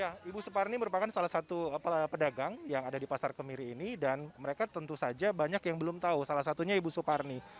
ya ibu suparni merupakan salah satu pedagang yang ada di pasar kemiri ini dan mereka tentu saja banyak yang belum tahu salah satunya ibu suparni